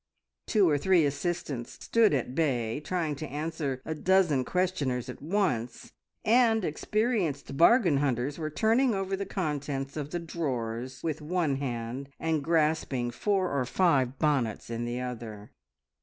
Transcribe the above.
Two or three assistants stood at bay trying to answer a dozen questioners at once, and experienced bargain hunters were turning over the contents of the drawers with one hand, and grasping four or five bonnets in the other.